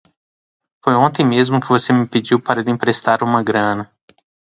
Foi ontem mesmo que você me pediu para lhe emprestar uma grana.